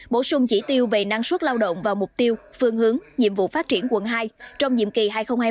bổ sung chỉ tiêu về năng suất lao động và mục tiêu phương hướng nhiệm vụ phát triển quận hai trong nhiệm kỳ hai nghìn hai mươi hai nghìn hai mươi năm